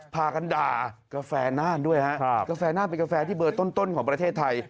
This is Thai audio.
พากันด่ากาแฟน่านด้วยฮะกาแฟน่านเป็นกาแฟที่เบอร์ต้นของประเทศไทย